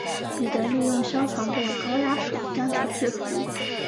彼得利用消防队的高压水将其制伏。